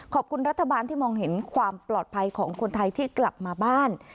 ขอบคุณรัฐบาลที่มองเห็นความปลอดภัยของคนไทยที่กลับมาบ้าน